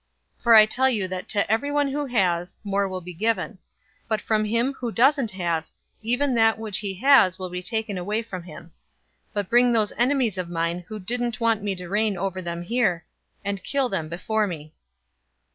019:026 'For I tell you that to everyone who has, will more be given; but from him who doesn't have, even that which he has will be taken away from him. 019:027 But bring those enemies of mine who didn't want me to reign over them here, and kill them before me.'"